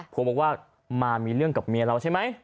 บอกว่ามามีเรื่องกับเมียเราใช่ไหม